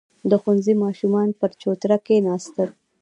• د ښوونځي ماشومان پر چوتره کښېناستل.